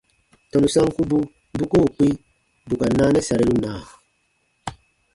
Tɔnu sankubu bu koo kpĩ bù ka naanɛ sariru na?